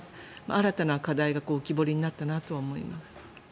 新たな課題が浮き彫りになったなと思います。